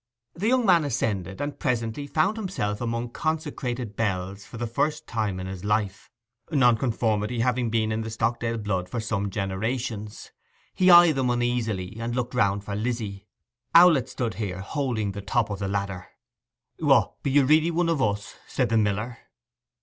The young man ascended, and presently found himself among consecrated bells for the first time in his life, nonconformity having been in the Stockdale blood for some generations. He eyed them uneasily, and looked round for Lizzy. Owlett stood here, holding the top of the ladder. 'What, be you really one of us?' said the miller.